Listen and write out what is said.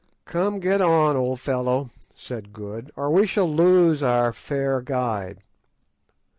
"Come, get on, old fellow," said Good, "or we shall lose our fair guide."